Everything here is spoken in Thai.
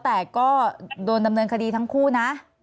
แต่ก็โดนดำเนินคดีทั้งคู่นะ